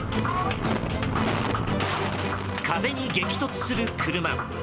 壁に激突する車。